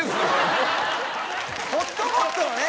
ほっともっとのね！